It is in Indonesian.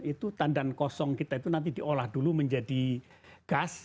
itu tandan kosong kita itu nanti diolah dulu menjadi gas